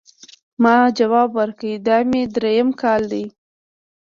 ما ځواب ورکړ، دا مې درېیم کال دی.